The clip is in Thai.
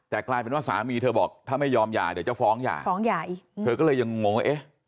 แต่กลายเป็นว่าสามีเธอบอกถ้าไม่ยอมยาเธอจะฟ้องยาเธอก็เลยยังงงเอ๊ะ